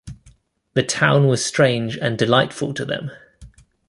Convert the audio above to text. The town was strange and delightful to them.